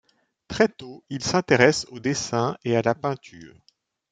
Très tôt, il s'intéresse au dessin et à la peinture.